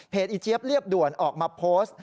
อีเจี๊ยบเรียบด่วนออกมาโพสต์